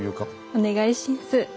お願いしんす。